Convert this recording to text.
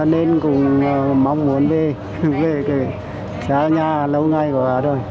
nên cũng mong muốn về về xa nhà lâu ngày quá rồi